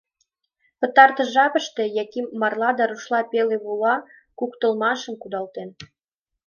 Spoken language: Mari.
Пытартыш жапыште Яким марла да рушла пеле-вула куктылмашым кудалтен.